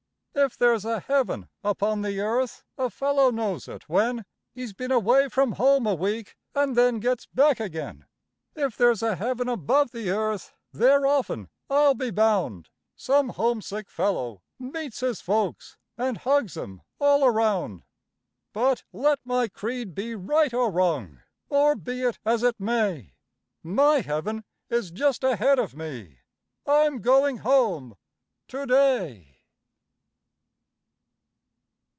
If there's a heaven upon the earth, a fellow knows it when He's been away from home a week, and then gets back again. If there's a heaven above the earth, there often, I'll be bound, Some homesick fellow meets his folks, and hugs 'em all around. But let my creed be right or wrong, or be it as it may, My heaven is just ahead of me I'm going home to day.